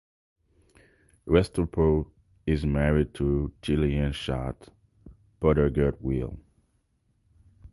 Restrepo is married to Chilean shot putter Gert Weil.